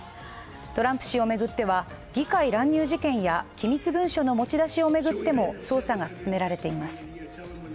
トランプ氏を巡っては議会乱入事件や機密文書の持ち出しを巡っても捜査が進められています。